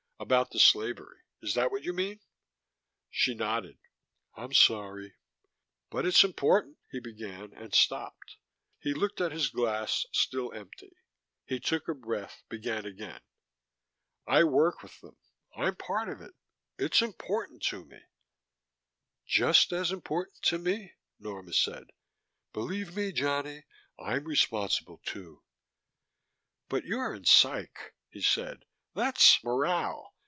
About the slavery. Is that what you mean?" She nodded. "I'm sorry." "But it's important " he began, and stopped. He looked at his glass, still empty. He took a breath, began again. "I work with them. I'm part of it. It's important to me." "Just as important to me," Norma said. "Believe me, Johnny. I'm responsible, too." "But you're in Psych," he said. "That's morale.